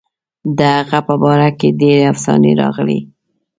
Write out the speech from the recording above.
د هغه په باره کې ډېرې افسانې راغلي.